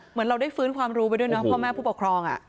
เหมือนเราได้ฟื้นความรู้ไปด้วยเนาะพ่อแม่ผู้ปกครอง